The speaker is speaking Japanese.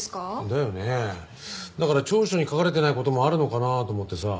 だから調書に書かれてない事もあるのかなと思ってさ。